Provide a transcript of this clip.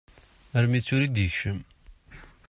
Armi d tura i d-ikcem.